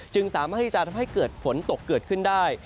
สามารถที่จะทำให้เกิดฝนตกเกิดขึ้นได้